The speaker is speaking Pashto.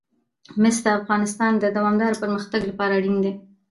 مس د افغانستان د دوامداره پرمختګ لپاره اړین دي.